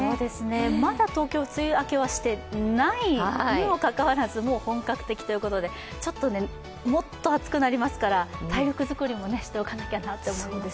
まだ東京、梅雨明けはしていないにもかかわらず、もう本格的ということでもっと暑くなりますから体力づくりもしておかなきゃなと思いますね。